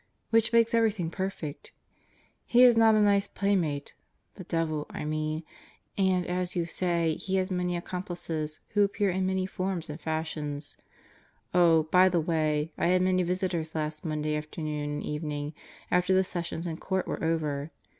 Which makes every thing perfect. He is not a nice playmate the devil I mean. And as you say, he has many accomplices who appear in many forms and fashions. Oh, by the way, I had many visitors last Monday afternoon and evening, after the sessions in Court were over.